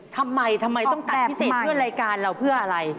ทำไมทำไมต้องตัดพิเศษเพื่อรายการเราเพื่ออะไร